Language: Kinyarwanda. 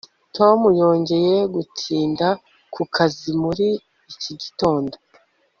tom yongeye gutinda ku kazi muri iki gitondo